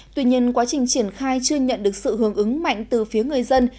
tuy nhiên quá trình triển khai chưa nhận được sự hướng ứng mạnh từ phía người dân